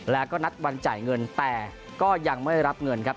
แล้วก็นัดวันจ่ายเงินแต่ก็ยังไม่รับเงินครับ